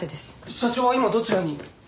社長は今どちらに？